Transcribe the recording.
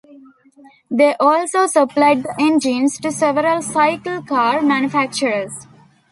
They also supplied the engines to several cyclecar manufacturers.